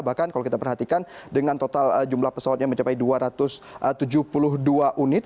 bahkan kalau kita perhatikan dengan total jumlah pesawatnya mencapai dua ratus tujuh puluh dua unit